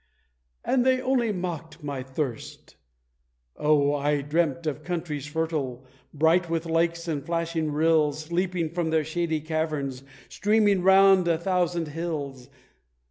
And they only mocked my thirst! Oh, I dreamt of countries fertile, bright with lakes and flashing rills Leaping from their shady caverns, streaming round a thousand hills!